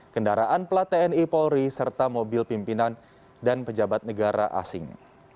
kendaraan plat tni polri serta mobil pimpinan dan pejabat negara asing